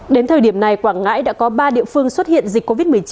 đến thời điểm này quảng ngãi đã có ba địa phương xuất hiện dịch covid một mươi chín